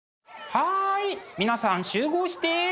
はい皆さん集合して！